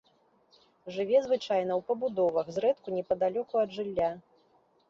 Жыве звычайна ў пабудовах, зрэдку непадалёку ад жылля.